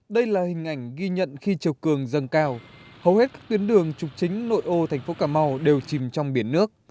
đây là hình ảnh ghi nhận khi chiều cường dâng cao hầu hết các tuyến đường trục chính nội ô thành phố cà mau đều chìm trong biển nước